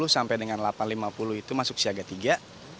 tujuh ratus lima puluh sampai dengan delapan ratus lima puluh itu masuk siaga tiga